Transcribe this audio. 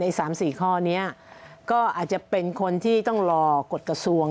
อีก๓๔ข้อนี้ก็อาจจะเป็นคนที่ต้องรอกฎกระทรวง